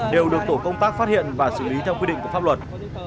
đều được tổ công tác phát hiện và xử lý theo quy định của pháp luật